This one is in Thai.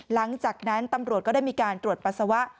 หลังจากนั้นตำรวจก็ได้มีการตรวจปัสสาวะ